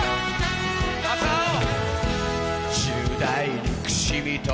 また会おう！